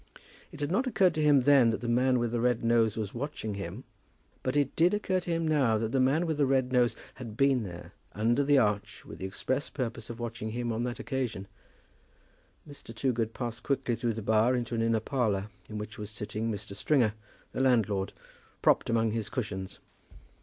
It had not occurred to him then that the man with the red nose was watching him, but it did occur to him now that the man with the red nose had been there, under the arch, with the express purpose of watching him on that occasion. Mr. Toogood passed quickly through the bar into an inner parlour, in which was sitting Mr. Stringer, the landlord, propped among his cushions.